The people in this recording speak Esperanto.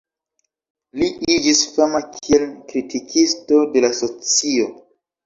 Li iĝis fama kiel kritikisto de la socio.